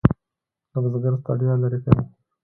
د بزګر ستړیا لرې کوي.